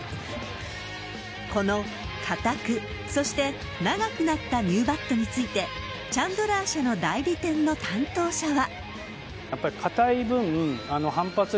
この、硬くそして長くなったニューバットについてチャンドラー社の代理店の担当者は。